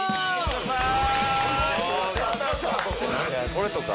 これとか。